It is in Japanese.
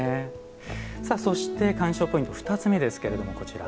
さあ、そして、鑑賞ポイント２つ目ですけれどもこちら。